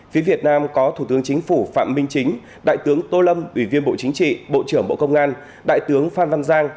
phía việt nam có thủ tướng chính phủ phạm minh chính đại tướng tô lâm ủy viên bộ chính trị bộ trưởng bộ công an đại tướng phan văn giang